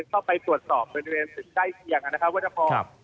เข้าไปตรวจสอบบริเวณตึกใกล้เคียงนะครับวรพร